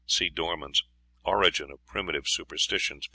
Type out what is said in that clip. (See Dorman's "Origin of Primitive Superstitions," p.